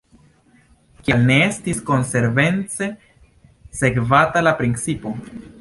Kial ne estis konsekvence sekvata la principo?